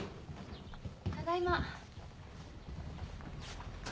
ただいま。